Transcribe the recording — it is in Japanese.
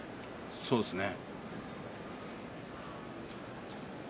そうですね。